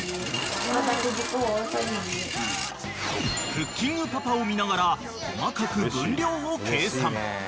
［『クッキングパパ』を見ながら細かく分量を計算］